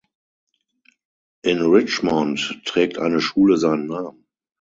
In Richemont trägt eine Schule seinen Namen.